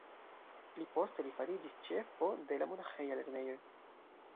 Pli poste li fariĝis ĉefo de la monaĥeja lernejo.